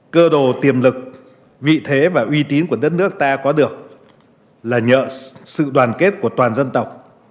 cơ đồ tiềm lực vị thế và uy tín của đất nước ta có được là nhờ sự đoàn kết của toàn dân tộc